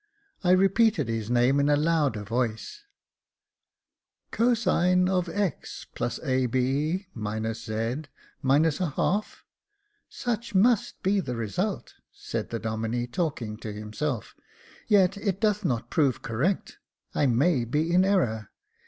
I repeated his name in a louder voice. *' Cosine of x + ab — z— ^ y such must be the result," said the Domine, talking to himself. " Yet it doth not prove correct. I may be in error.